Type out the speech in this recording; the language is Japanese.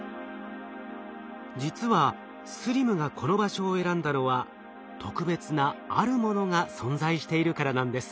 実はＳＬＩＭがこの場所を選んだのは特別な「あるもの」が存在しているからなんです。